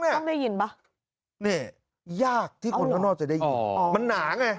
เนี่ยก็ได้ยินป่ะนี่ยากที่คนท่านออกจะได้ยิน